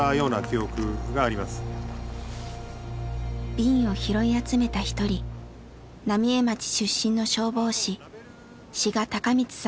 瓶を拾い集めた一人浪江町出身の消防士志賀隆充さんです。